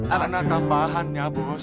ada tambahan ya bos